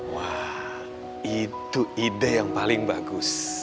wah itu ide yang paling bagus